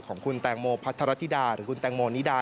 ของคุณแตงโมพัทรธิดาหรือคุณแตงโมนิดา